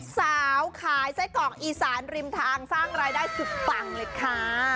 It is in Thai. สาวขายไส้กรอกอีสานริมทางสร้างรายได้สุดปังเลยค่ะ